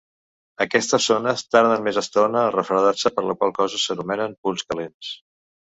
Aquestes zones tarden més estona a refredar-se, per la qual cosa s’anomenen punts calents.